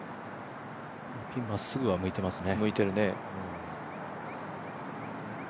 ピンまっすぐは向いてますね。